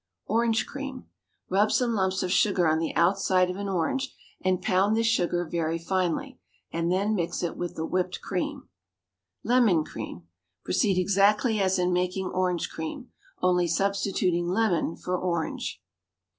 ORANGE CREAM. Rub some lumps of sugar on the outside of an orange, and pound this sugar very finely, and then mix it with the whipped cream. LEMON CREAM. Proceed exactly as in making orange cream, only substituting lemon for orange.